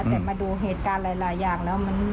แต่มาดูเหตุการณ์หลายอย่างแล้ว